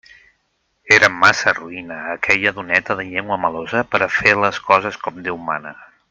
Era massa roïna aquella doneta de llengua melosa per a fer les coses com Déu mana.